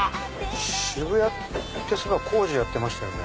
渋谷って工事やってましたよね。